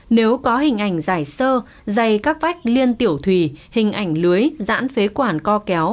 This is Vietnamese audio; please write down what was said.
nếu có hình ảnh giải sơ dày các vách liên tiểu thủy hình ảnh lưới dãn phế quản co kéo